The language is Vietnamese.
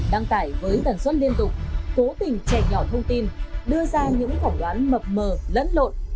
đăng tải với tần suất liên tục cố tình trẻ nhỏ thông tin đưa ra những phỏng đoán mập mờ lẫn lộn